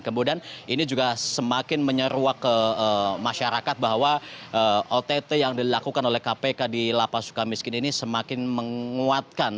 kemudian ini juga semakin menyeruak ke masyarakat bahwa ott yang dilakukan oleh kpk di lapas suka miskin ini semakin menguatkan